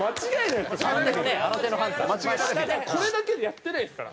これだけでやってないですから。